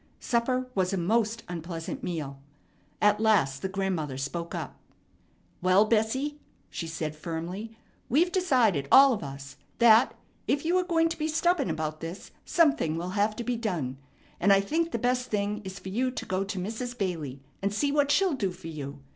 Supper was a most unpleasant meal. At last the grandmother spoke up. "Well, Bessie," she said firmly, "we've decided, all of us, that, if you are going to be stubborn about this, something will have to be done; and I think the best thing is for you to go to Mrs. Bailey and see what she'll do for you.